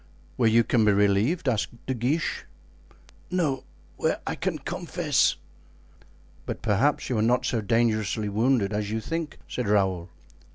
"Where you can be relieved?" asked De Guiche. "No, where I can confess." "But perhaps you are not so dangerously wounded as you think," said Raoul.